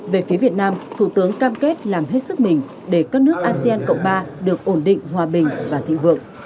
về phía việt nam thủ tướng cam kết làm hết sức mình để các nước asean cộng ba được ổn định hòa bình và thịnh vượng